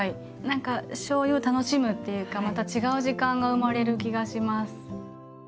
何かしょうゆを楽しむっていうかまた違う時間が生まれる気がします。